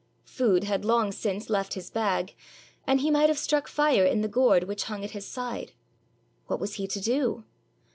Food had long since left his bag, and he might have struck fire in the gourd which hung at his side. What was he to do?